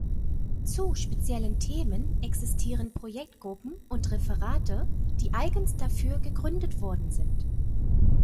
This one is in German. Zu speziellen Themen existieren Projektgruppen und Referate, die eigens dafür gegründet worden sind.